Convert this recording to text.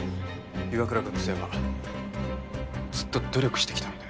岩倉学生はずっと努力してきたので。